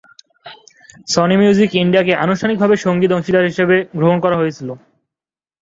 Sony music India কে আনুষ্ঠানিকভাবে সঙ্গীত অংশীদার হিসাবে গ্রহণ করা হয়েছিল।